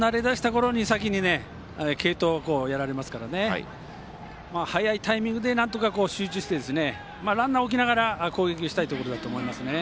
ようやく慣れだしたころに継投をやられますからね早いタイミングでなんとか集中して、ランナーを置きながら攻撃したいところだと思いますね。